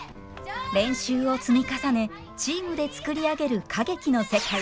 練習を積み重ねチームで作り上げる歌劇の世界。